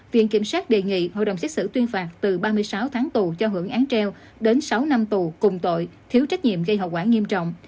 viện kiểm sát đề nghị hội đồng xét xử tuyên phạt từ ba mươi sáu tháng tù cho hưởng án treo đến sáu năm tù cùng tội thiếu trách nhiệm gây hậu quả nghiêm trọng